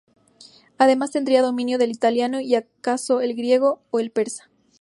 Además tendría dominio del italiano y acaso el griego o el persa.